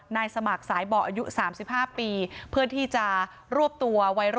นายสมัครสายบ่ออายุ๓๕ปีเพื่อที่จะรวบตัววัยรุ่นที่มาตีกันนะคะ